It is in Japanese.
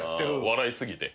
笑い過ぎて。